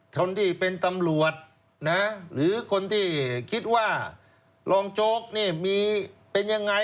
คนที่เป็นตำรวจนะหรือคนที่คิดว่ารองโจ๊กนี่มีเป็นยังไง